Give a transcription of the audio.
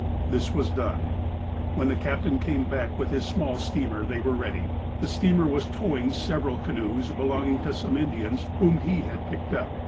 This was done. When the captain came back with his small steamer, they were ready. The steamer was towing several canoes, belonging to some Indians, whom he had picked up.